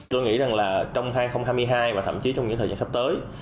tôi nghĩ rằng là trong hai nghìn hai mươi hai và thậm chí trong những thời gian sắp tới